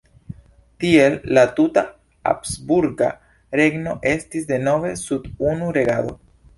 Tiel la tuta habsburga regno estis denove sub unu regado.